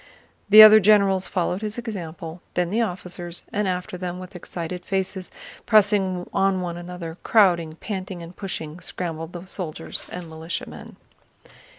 The other generals followed his example, then the officers, and after them with excited faces, pressing on one another, crowding, panting, and pushing, scrambled the soldiers and militiamen.